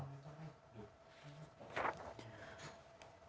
โทษที